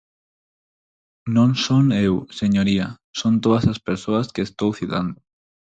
Non son eu, señoría; son todas as persoas que estou citando.